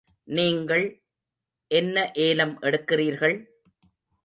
நீங்கள் என்ன ஏலம் எடுக்கிறீர்கள்?